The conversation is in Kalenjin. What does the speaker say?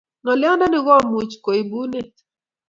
Ngolyondoni komuchi koib bunet